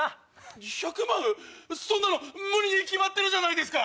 そんなの無理に決まってるじゃないですか。